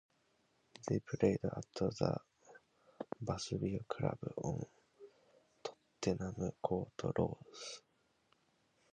They played at the Vesuvio club on Tottenham Court Road.